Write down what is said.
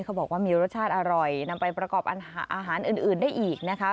เขาบอกว่ามีรสชาติอร่อยนำไปประกอบอาหารอื่นได้อีกนะคะ